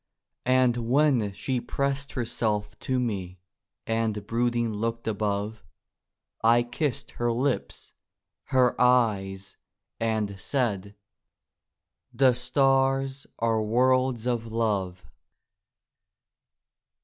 And when she pressed herself to me And brooding looked above, I kissed her lips, her eyes, and said: "The stars are worlds of love."